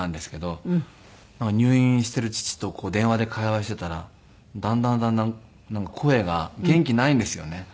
入院している父とこう電話で会話していたらだんだんだんだん声が元気ないんですよね。